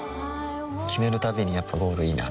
決めるたびにやっぱゴールいいなってふん